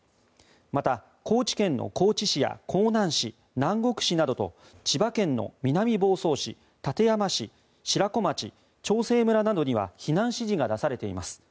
また、高知県の高知市や香南市南国市などと千葉県の南房総市、館山市白子町、長生村などには避難指示が出されています。